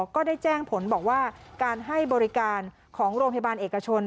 ก็ได้แจ้งผลบอกว่าการให้บริการของโรงพยาบาลเอกชน